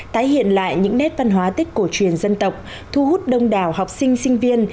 tái hiện lại những nét văn hóa tết cổ truyền dân tộc thu hút đông đảo học sinh sinh viên